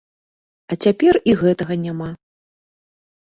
А цяпер і гэтага няма.